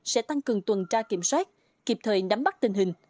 sẽ tăng cường tuần tra kiểm soát kịp thời nắm bắt tình hình